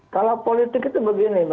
kalau politik itu begini